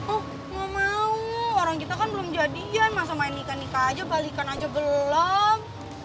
oh gak mau orang kita kan belum jadian masa main nikah nikah aja balikan aja belum